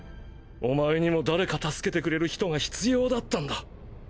お前にも誰か助けてくれる人が必要だったんだ。